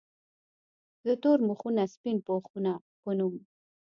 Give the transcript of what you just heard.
د “ تور مخونه سپين پوښونه ” پۀ نوم